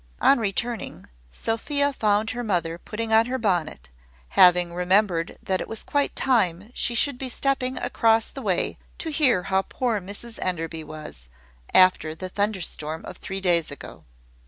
On returning, Sophia found her mother putting on her bonnet, having remembered that it was quite time she should be stepping across the way to hear how poor Mrs Enderby was, after the thunder storm of three days ago.